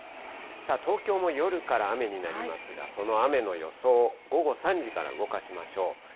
さあ、東京も夜から雨になりますが、その雨の予想、午後３時から動かしましょう。